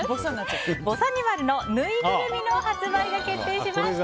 「ぼさにまる」のぬいぐるみの発売が決定しました！